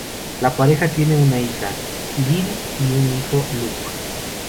La pareja tiene una hija, Lily, y un hijo, Luke.